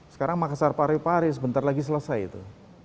sekarang makassar pari pari sebentar lagi selesai itu